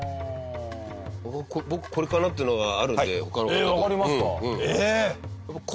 僕これかなっていうのがあるんで他の方。わかりますか？